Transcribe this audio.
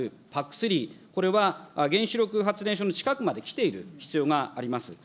３、これは原子力発電所の近くまで来ている必要があります。